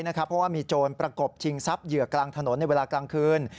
เพราะว่ามีโจรประกบชิงทรัพย์เหยื่อกลางถนนในเวลากลางคืน